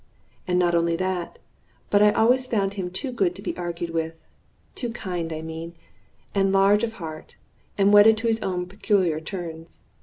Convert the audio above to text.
And not only that, but I always found him too good to be argued with too kind, I mean, and large of heart, and wedded to his own peculiar turns.